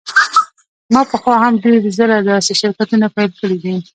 ما پخوا هم ډیر ځله داسې شرکتونه پیل کړي دي